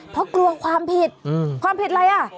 เพราะกลัวความผิดความผิดอะไรอ่ะ